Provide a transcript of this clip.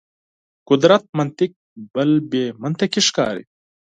قدرت منطق بل بې منطقي ښکاري.